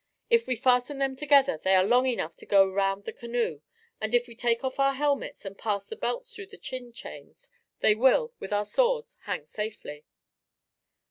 If we fasten them together they are long enough to go round the canoe, and if we take off our helmets and pass the belts through the chin chains they will, with our swords, hang safely."